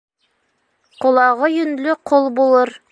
Ҡолағы йөнлө ҡол булыр